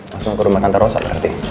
langsung ke rumah tante rosa berarti